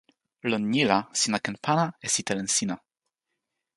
lon ni la sina ken pana e sitelen sina.